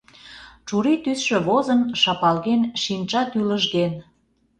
Чурий тӱсшӧ возын, шапалген, шинча тӱлыжген.